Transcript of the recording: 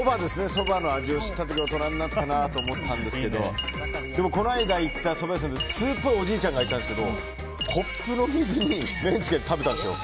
そばの味を知った時大人になったなと思ったんですけどでもこの間行った蕎麦屋さんで通っぽいおじいちゃんがいたんですけどコップの水に麺つけて食べたんですよ。